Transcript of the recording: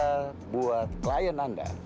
ini adalah buat klien anda